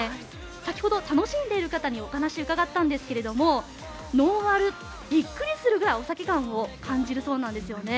先ほど、楽しんでいる方にお話を伺ったんですがノンアル、びっくりするぐらいお酒感を感じるみたいなんですよね。